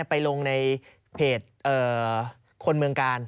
ไปลงในเพจคนเมืองกาล